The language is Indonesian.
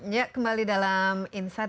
ya kembali dalam insight